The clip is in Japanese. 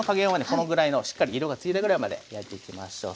このぐらいのしっかり色がついたぐらいまで焼いていきましょう。